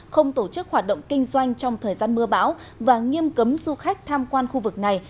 không tổ chức hoạt động kinh doanh trong thời gian mưa bão và nghiêm cấm du khách tham quan khu vực này